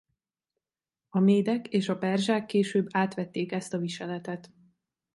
A médek és a perzsák később átvették ezt a viseletet.